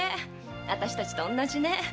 あたしたちと同じね。